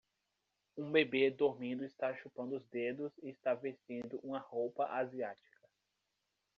Um bebê dormindo está chupando os dedos e está vestindo uma roupa asiática.